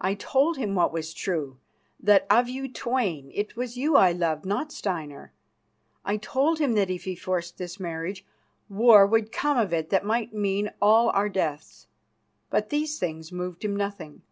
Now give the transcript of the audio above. I told him what was true: that, of you twain, it was you I loved, not Steinar. I told him that if he forced this marriage, war would come of it that might mean all our deaths. But these things moved him nothing.